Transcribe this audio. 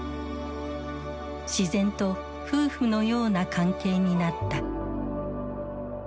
自然と夫婦のような関係になった。